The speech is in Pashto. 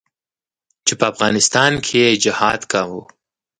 چې په افغانستان کښې يې جهاد کاوه.